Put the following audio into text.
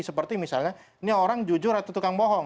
seperti misalnya ini orang jujur atau tukang bohong